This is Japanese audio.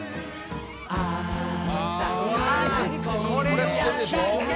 「これ知ってるでしょ」